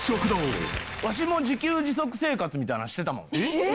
わしも自給自足生活みたいなのしてたもん。